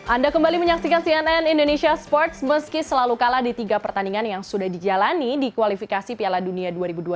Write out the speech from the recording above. anda kembali menyaksikan cnn indonesia sports meski selalu kalah di tiga pertandingan yang sudah dijalani di kualifikasi piala dunia dua ribu dua puluh